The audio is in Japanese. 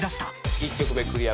１曲目クリア